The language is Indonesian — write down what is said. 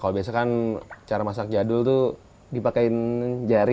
kalau biasakan cara masak jadul tuh dipakai jari